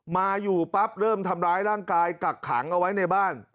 มาอยู่ปั๊บเริ่มทำร้ายร่างกายกักขังเอาไว้ในบ้าน